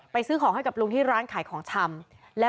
ซื้อของให้กับลุงที่ร้านขายของชำ